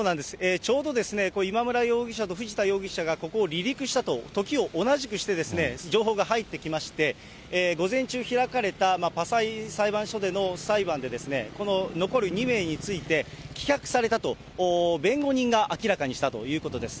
ちょうど今村容疑者と藤田容疑者がここを離陸したと、時を同じくして、情報が入ってきまして、午前中開かれたパサイ裁判所での裁判で、この残る２名について、棄却されたと、弁護人が明らかにしたということです。